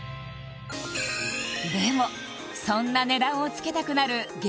でもそんな値段をつけたくなる激